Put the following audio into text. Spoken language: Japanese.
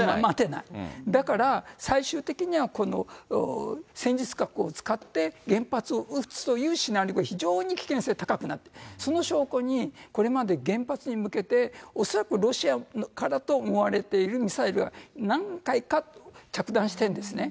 だから、最終的にはこの戦術核を使って、原発を撃つというシナリオ、非常に危険性高くなって、その証拠に、これまで原発に向けて、恐らくロシアからと思われているミサイルが何回か着弾してるんですね。